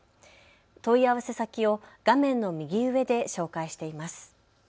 問い合わせ先を画面の右上で紹介しています。